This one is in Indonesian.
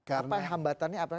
apa hambatannya apa